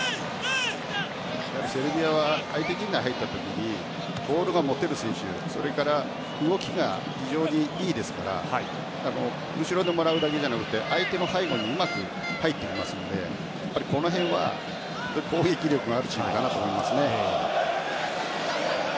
セルビアは相手陣内に入った時にボールが持てる選手、それから動きが非常にいいですから後ろでもらうだけじゃなくて相手の背後にうまく入っていきますのでこの辺は攻撃力があるチームだなと思います。